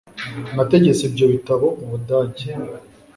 Nategetse ibyo bitabo mu Budage